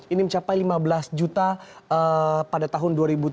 ini mencapai lima belas juta pada tahun dua ribu tujuh belas